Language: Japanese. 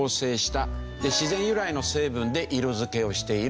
で自然由来の成分で色付けをしている。